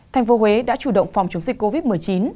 thành phố huế đã chủ động phòng chống dịch covid một mươi chín